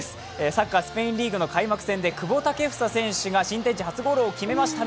サッカー・スペインリーグの開幕戦で久保建英選手が新天地初ゴールを決めました。